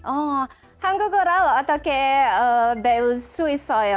oh saya ingin tahu tentang bahasa bahasa korea